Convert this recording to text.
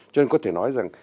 cho nên có thể nói rằng